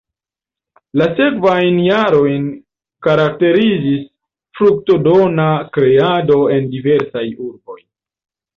La sekvajn jarojn karakterizis fruktodona kreado en diversaj urboj.